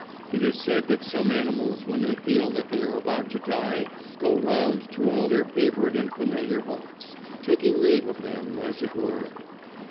It is said that some animals when they feel that they are about to die go round to all their favourite and familiar haunts, taking leave of them, as it were.